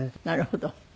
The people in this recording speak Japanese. なるほど。